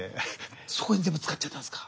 そこに全部使っちゃったんすか？